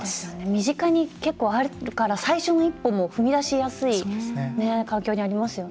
身近にあるから最初の１歩も踏み出しやすい環境にありますよね。